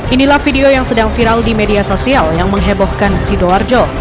inilah video yang sedang viral di media sosial yang menghebohkan sidoarjo